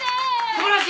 素晴らしい！